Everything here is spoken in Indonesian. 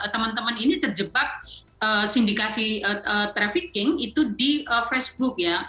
teman teman ini terjebak sindikasi trafficking itu di facebook ya